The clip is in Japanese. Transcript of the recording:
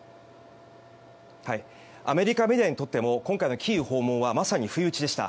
アメリカメディアにとっても今回のキーウ訪問はまさに不意打ちでした。